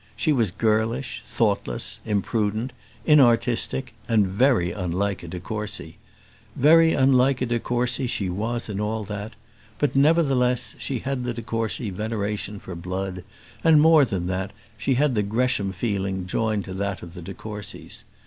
She was girlish, thoughtless, imprudent, inartistic, and very unlike a de Courcy. Very unlike a de Courcy she was in all that; but, nevertheless, she had the de Courcy veneration for blood, and, more than that, she had the Gresham feeling joined to that of the de Courcys.